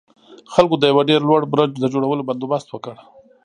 خلکو د يوه ډېر لوړ برج د جوړولو بندوبست وکړ.